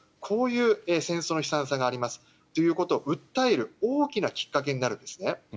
こういう戦争の悲惨さがありますということを訴える大きなきっかけになるんですね。